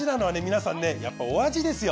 皆さんねやっぱお味ですよ。